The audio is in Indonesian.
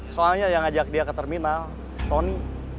soalnya yang ajak dia ke terminal tony